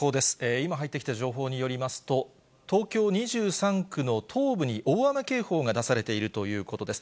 今、入ってきた情報によりますと、東京２３区の東部に大雨警報が出されているということです。